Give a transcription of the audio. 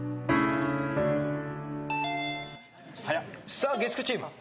さあ月９チーム。